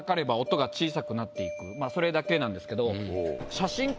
それだけなんですけど。